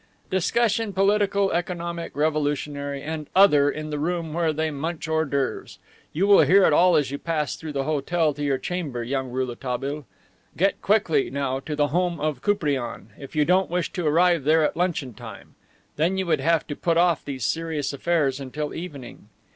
Discussion political, economic, revolutionary, and other in the room where they munch hors d'oeuvres! You will hear it all as you pass through the hotel to your chamber, young Rouletabille. Get quickly now to the home of Koupriane, if you don't wish to arrive there at luncheon time; then you would have to put off these serious affairs until evening.